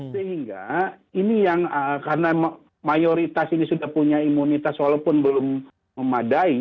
sehingga ini yang karena mayoritas ini sudah punya imunitas walaupun belum memadai